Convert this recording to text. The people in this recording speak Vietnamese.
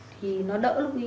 thì nó đỡ lúc ý